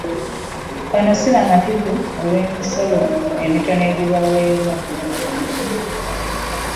Bano so bamativu olw'emisaala emitono egibaweebwa